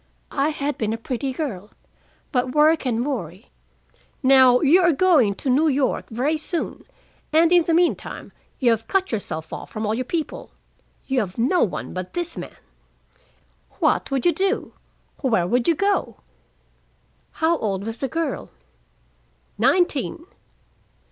I had been a pretty girl, but work and worry "Now you are going to New York very soon, and in the meantime you have cut yourself off from all your people. You have no one but this man. What would you do? Where would you go?" "How old was the girl?" "Nineteen."